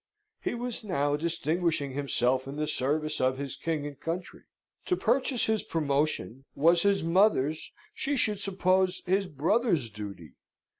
He was now distinguishing himself in the service of his king and country. To purchase his promotion was his mother's, she should suppose his brother's duty!